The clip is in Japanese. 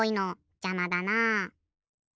じゃまだな。